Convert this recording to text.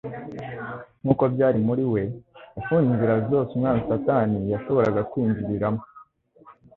Nk'uko byari muri we, yafuruze inzira zose umwanzi Satani yashoboraga kwinjiriramo.